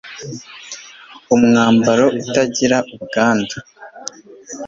umwambaro utagira ubwandu